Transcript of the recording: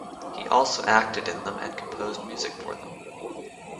He also acted in them and composed music for them.